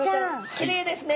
きれいですね。